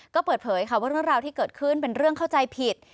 ก็เปิดเผยค่ะว่าเรื่องราวที่เกิดขึ้นเป็นเรื่องเข้าใจผิด